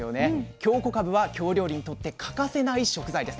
京こかぶは京料理にとって欠かせない食材です。